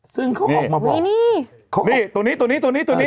ซึ่งเขาออกมาบอกนี่ตัวนี้ตัวนี้